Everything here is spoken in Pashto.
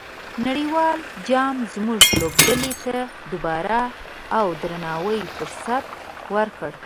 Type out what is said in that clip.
نړیوال جام زموږ لوبډلې ته د باور او درناوي فرصت ورکړ.